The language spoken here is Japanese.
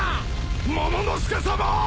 モモの助さま！